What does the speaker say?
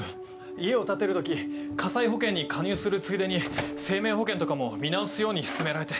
家を建てる時火災保険に加入するついでに生命保険とかも見直すように勧められて。